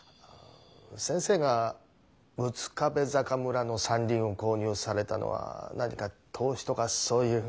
先生が六壁坂村の山林を購入されたのは何か投資とかそういう？